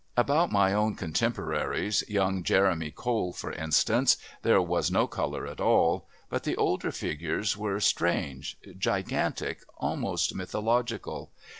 About my own contemporaries, young Jeremy Cole for instance, there was no colour at all, but the older figures were strange gigantic, almost mythological.